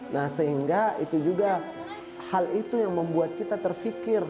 nah sehingga itu juga hal itu yang membuat kita terfikir